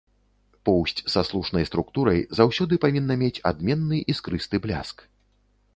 Поўсць са слушнай структурай заўсёды павінна мець адменны іскрысты бляск.